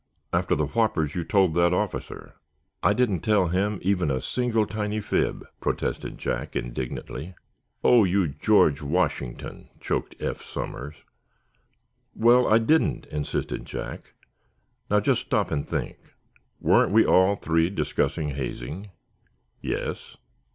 "After the whoppers you told that officer?" "I didn't tell him even a single tiny fib," protested Jack, indignantly. "Oh, you George Washington!" choked Eph Somers. "Well, I didn't," insisted Jack. "Now, just stop and think. Weren't we all three discussing hazing?" "Yes."